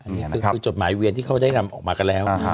อันนี้คือจดหมายเวียนที่เขาได้นำออกมากันแล้ว